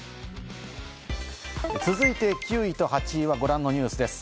続いて、９位と８位はご覧のニュースです。